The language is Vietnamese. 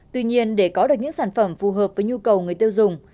tuy nhiên để có được những sản phẩm phù hợp với nhu cầu người tiêu dùng